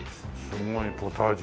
すごいポタージュが。